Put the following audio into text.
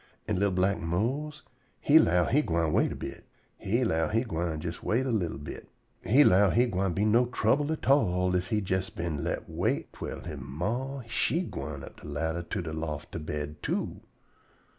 An' li'l black Mose he 'low he gwine wait a bit. He 'low he gwine jes wait a li'l bit. He 'low he gwine be no trouble at all ef he jes been let wait twell he ma she gwine up de ladder to de loft to bed, too.